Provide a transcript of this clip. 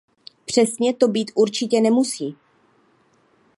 Přesně to být určitě nemusí.